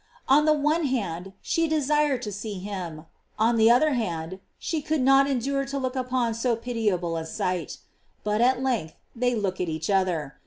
On the one hand, she desired to see him ; on the other, she could not endure to look upon so pit iable a sight. But at length they look at each other.